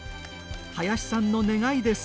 林さんの願いです。